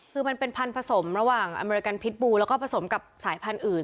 คือมันเป็นพันธุ์ผสมระหว่างอเมริกันพิษบูแล้วก็ผสมกับสายพันธุ์อื่น